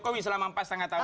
jokowi selama empat lima tahun